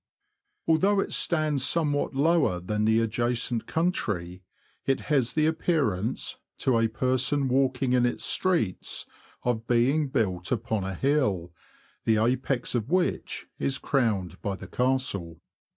Although it stands somewhat lower than the adjacent country, it has the appearance, to a person walking in its streets, of being built upon a hill, the apex of which is crowned by the Castle.